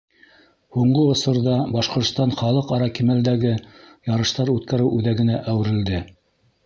Һуңғы осорҙа Башҡортостан халыҡ-ара кимәлдәге ярыштар үткәреү үҙәгенә әүерелде.